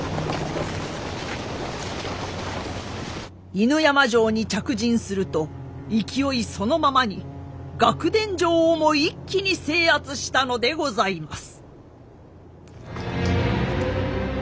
犬山城に着陣すると勢いそのままに楽田城をも一気に制圧したのでございます。